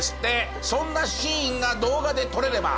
そんなシーンが動画で撮れればスクープです！